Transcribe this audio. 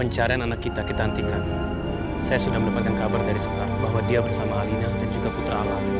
saya sudah mendapatkan kabar dari sekitar bahwa dia bersama alina dan juga putra alam